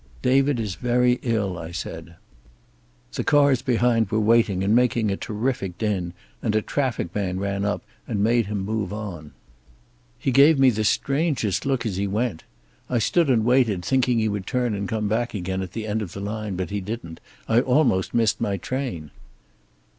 'David is very ill,' I said. The cars behind were waiting and making a terrific din, and a traffic man ran up then and made him move on. He gave me the strangest look as he went. I stood and waited, thinking he would turn and come back again at the end of the line, but he didn't. I almost missed my train."